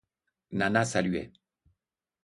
Nana saluait.